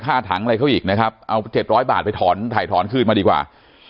ถังอะไรเขาอีกนะครับเอาเจ็ดร้อยบาทไปถอนถ่ายถอนคืนมาดีกว่า